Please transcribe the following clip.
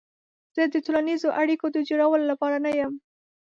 زه د ټولنیزو اړیکو د جوړولو لپاره نه یم.